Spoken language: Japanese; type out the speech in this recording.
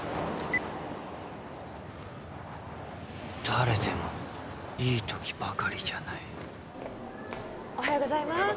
誰でもいい時ばかりじゃないおはようございます